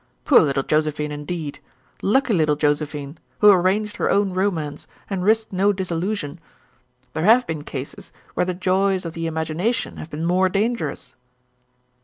"Poor little Josephine, indeed! Lucky little Josephine, who arranged her own romance, and risked no disillusion. There have been cases where the joys of the imagination have been more dangerous."